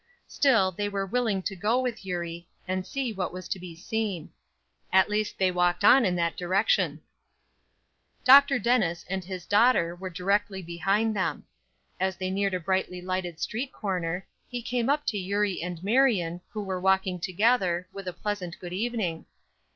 Still, they were willing to go with Eurie, and see what was to be seen. At least they walked on in that direction. Dr. Dennis and his daughter were directly behind them. As they neared a brightly lighted street corner, he came up to Eurie and Marion, who were walking together, with a pleasant good evening.